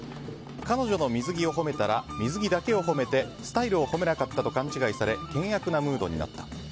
彼女の水着を褒めたら水着だけを褒めてスタイルを褒めなかったと勘違いされて険悪なムードになった。